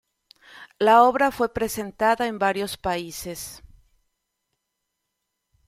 La obra fue presentada en varios países.